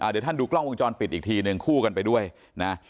เดี๋ยวท่านดูกล้องวงจรปิดอีกทีหนึ่งคู่กันไปด้วยนะ